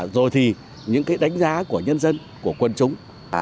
rồi thì những cái đánh giá của nhân dân của quân chúng